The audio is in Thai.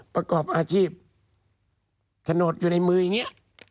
ประกอบอาชีพโฉนดอยู่ในมืออย่างนี้